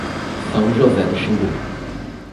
São José do Xingu